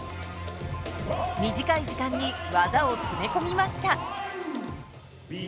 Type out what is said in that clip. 短い時間に技を詰め込みました。